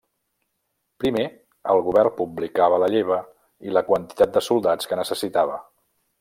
Primer, el Govern publicava la lleva i la quantitat de soldats que necessitava.